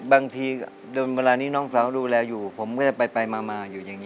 บางทีเวลานี้น้องสาวดูแลอยู่ผมก็จะไปมาอยู่อย่างนี้